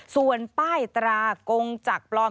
ส่วนป้ายตรากงจักรปลอม